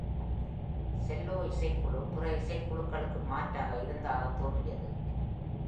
செல்லொ இசைக்குழு பிற இசைக்குழுக்களுக்கு மாற்றாக இருந்தாக தோன்றியது.